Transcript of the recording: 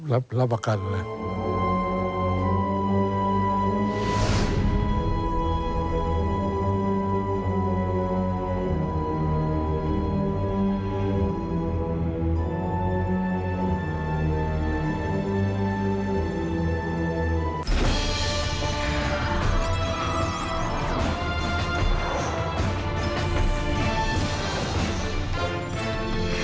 รับประกันเลย